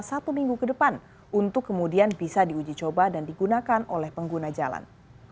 satu minggu ke depan untuk kemudian bisa diuji coba dan digunakan oleh pengguna jalan